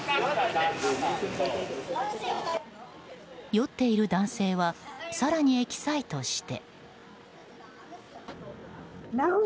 酔っている男性は更にエキサイトして。